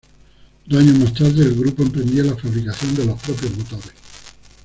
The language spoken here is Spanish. Dos años más tarde el Grupo emprendía la fabricación de los propios motores.